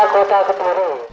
ini penulisan kota kediri